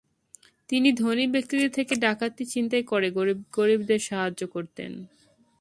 তিনি ধনী ব্যক্তিদের থেকে ডাকাতি, ছিনতাই করে গরীবদের সাহায্য করতেন।